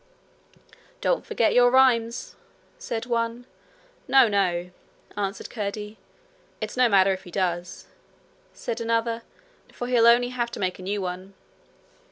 'Don't forget your rhymes,' said one. 'No, no,'answered Curdie. 'It's no matter if he does,' said another, 'for he'll only have to make a new one.'